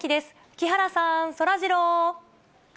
木原さん、そらジロー。